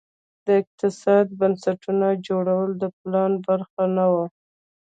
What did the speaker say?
د اقتصادي بنسټونو جوړول د پلان برخه نه وه.